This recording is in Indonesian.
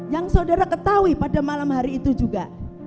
yang saudara ketahui pada malam hari itu juga